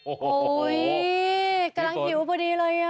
โอ้โหกำลังหิวพอดีเลย